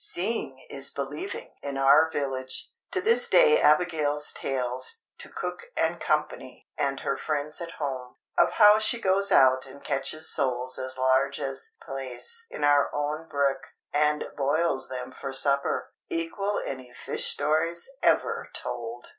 Seeing is believing in our village! To this day Abigail's tales, to cook and co. and her friends at home, of how she goes out and catches soles as large as plaice in our own brook, and boils them for supper, equal any fish stories ever told!